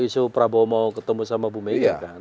isu prabowo mau ketemu sama bu mega kan